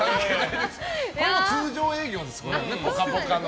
これ通常営業です「ぽかぽか」の。